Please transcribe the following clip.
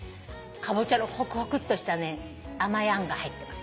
カボチャのホクホクとした甘いあんが入ってます。